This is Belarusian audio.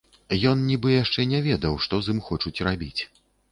Ён нібы яшчэ не ведаў, што з ім хочуць рабіць.